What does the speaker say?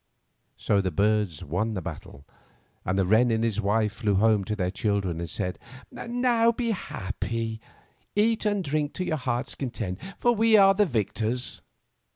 So the birds won the battle, and the wren and his wife flew home to their children and said: ''Now be happy. Eat and drink to your hearts' content, for we are the vic tors."